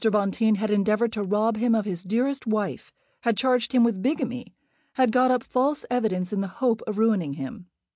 Bonteen had endeavoured to rob him of his dearest wife; had charged him with bigamy; had got up false evidence in the hope of ruining him.